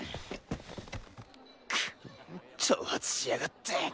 くっ挑発しやがって！